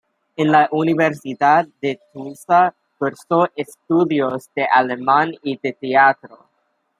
En la Universidad de Tulsa, cursó estudios de alemán y de teatro.